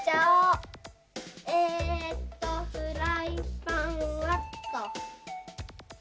えっとフライパンはっと。